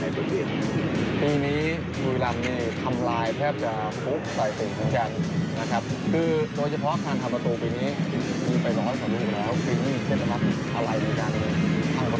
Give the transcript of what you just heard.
ปีนี้กุรีรัมป์นี่ทำลายแทบจะพลุกในสิ่งทั้งกันนะครับ